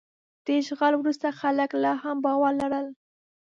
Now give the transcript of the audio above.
د اشغال وروسته خلک لا هم باور لرل.